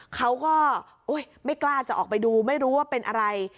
เขาก็ไม่กล้าจะออกไปดูไม่รู้ว่าเป็นอะไร